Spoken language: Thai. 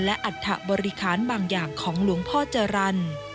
และอัฐบริคารบางอย่างของหลวงพ่อจรรย์